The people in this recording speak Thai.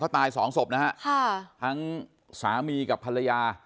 เขาตาย๒ศพนะฮะทั้งสามีกับภรรยา